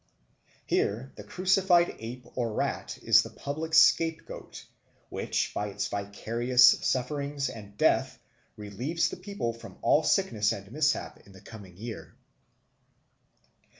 Here the crucified ape or rat is the public scapegoat, which by its vicarious sufferings and death relieves the people from all sickness and mishap in the coming year.